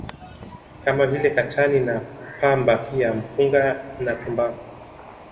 kama vile Katani na Pamba pia Mpunga na tumbaku